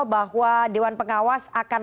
bahwa dewan pengawas akan